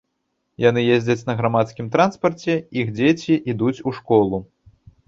Яны ездзяць на грамадскім транспарце, іх дзеці ідуць у школу.